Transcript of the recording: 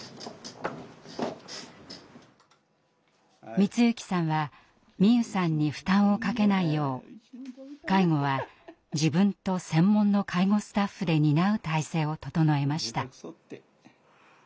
光行さんは美夢さんに負担をかけないよう介護は自分と専門の介護スタッフで担う体制を整えました。